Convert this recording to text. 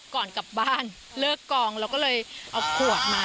ก่อนกลับบ้านเลิกกองเราก็เลยเอาขวดมา